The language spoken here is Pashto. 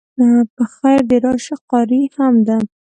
په خیر د راشی قاری هم ده